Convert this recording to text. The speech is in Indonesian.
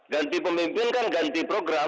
ganti pemimpin kan ganti program